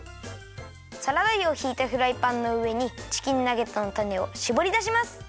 サラダ油をひいたフライパンのうえにチキンナゲットのタネをしぼりだします。